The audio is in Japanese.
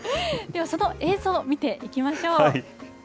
では、その映像を見ていきましょう。